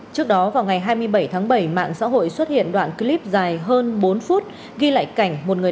trước đó vào ngày hai mươi bảy tháng bảy mạng xã hội xuất hiện đoạn clip dài hơn bốn phút ghi lại cảnh một người